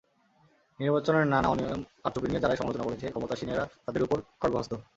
নির্বাচনে নানা অনিয়ম, কারচুপি নিয়ে যারাই সমালোচনা করছে, ক্ষমতাসীনেরা তাদের ওপর খড়্গহস্ত।